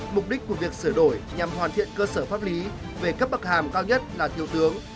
mục đích của việc sửa đổi nhằm hoàn thiện cơ sở pháp lý về cấp bậc hàm cao nhất là thiếu tướng